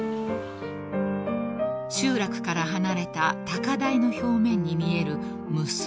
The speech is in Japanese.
［集落から離れた高台の表面に見える無数の穴］